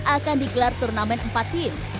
akan digelar turnamen empat tim